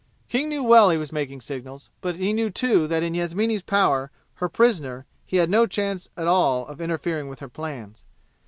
King knew well he was making signals. But he knew too that in Yasmini's power, her prisoner, he had no chance at all of interfering with her plans.